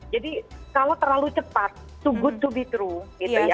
jadi kalau terlalu cepat too good to be true gitu ya